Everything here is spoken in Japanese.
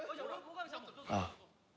ああ。